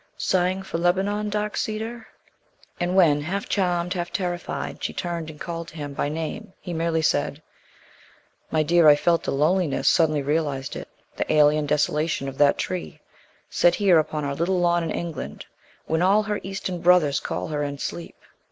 Sighing for Lebanon, Dark cedar; and, when, half charmed, half terrified, she turned and called to him by name, he merely said "My dear, I felt the loneliness suddenly realized it the alien desolation of that tree, set here upon our little lawn in England when all her Eastern brothers call her in sleep."